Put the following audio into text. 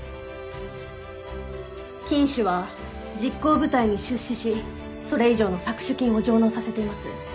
金主は実行部隊に出資しそれ以上の搾取金を上納させています。